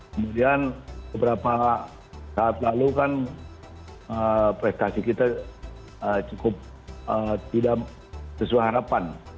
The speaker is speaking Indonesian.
kemudian beberapa saat lalu kan prestasi kita cukup tidak sesuai harapan